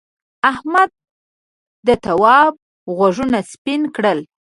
احمد د تواب غوږونه سپین کړل.